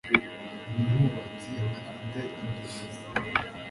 Umwubatsi afite ibyo biro